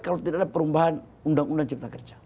kalau tidak ada perubahan undang undang cipta kerja